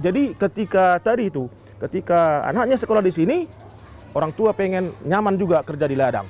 jadi ketika anaknya sekolah di sini orang tua ingin nyaman juga kerja di ladang